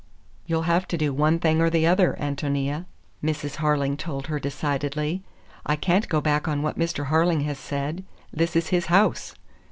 "You'll have to do one thing or the other, Ántonia," Mrs. Harling told her decidedly. "I can't go back on what Mr. Harling has said. This is his house."